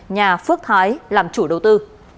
nhà phước thái làm chủ đầu tư